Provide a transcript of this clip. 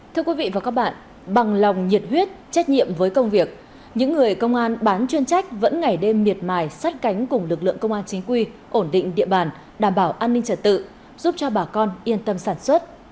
thưa quý vị và các bạn bằng lòng nhiệt huyết trách nhiệm với công việc những người công an bán chuyên trách vẫn ngày đêm miệt mài sát cánh cùng lực lượng công an chính quy ổn định địa bàn đảm bảo an ninh trật tự giúp cho bà con yên tâm sản xuất